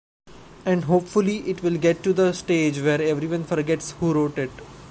And hopefully it will get to the stage where everyone forgets who wrote it.